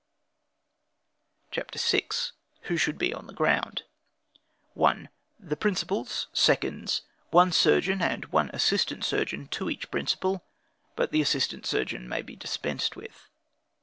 CHAPTER VI. Who Should Be on the Ground. 1. The principals, seconds, one surgeon and one assistant surgeon to each principal; but the assistant surgeon may be dispensed with.